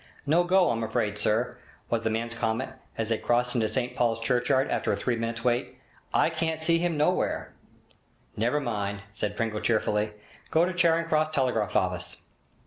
'No go, I'm afraid, sir!' was the man's comment, as they crossed into St Paul's Churchyard after a three minutes' wait. 'I can't see him nowhere.' 'Never mind,' said Pringle cheerfully. 'Go to Charing Cross telegraph office.'